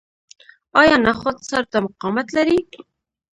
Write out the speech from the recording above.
آیا نخود سړو ته مقاومت لري؟